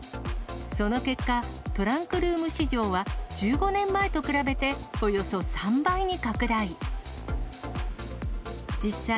その結果、トランクルーム市場は１５年前と比べて、およそ３倍に拡大。